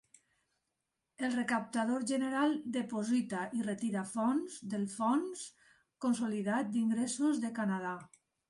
El recaptador general deposita i retira fons del fons consolidat d'ingressos de Canadà.